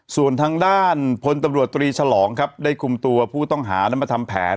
ส่วนทางด้านพลตำรวจตรีฉลองครับได้คุมตัวผู้ต้องหานั้นมาทำแผน